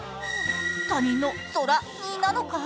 他人の空似なのか？